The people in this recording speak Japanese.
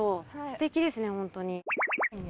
すてきですねほんとに。